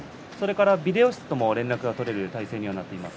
ビデオ室と連絡が取れる体制となっています。